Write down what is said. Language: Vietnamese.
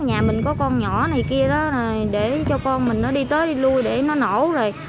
nhà mình có con nhỏ này kia đó rồi để cho con mình nó đi tới đi lui để nó nổ rồi